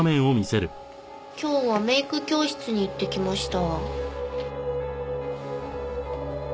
「今日はメイク教室に行ってきました」